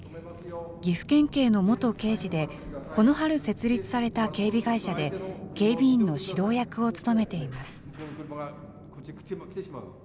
岐阜県警の元刑事で、この春、設立された警備会社で警備員の指導役を務めています。